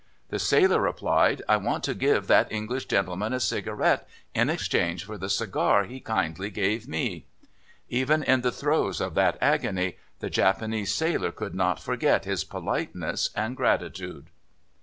"The sailor replied: 'I want to give that English gentleman a cigarette in exchange for the cigar he kindly gave me.' Even in the throes of that agony the Japanese sailor could not forget his politeness and gratitude."